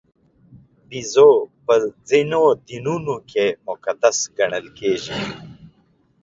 بیزو په ځینو دینونو کې مقدس ګڼل کېږي.